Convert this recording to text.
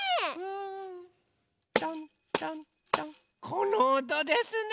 このおとですね！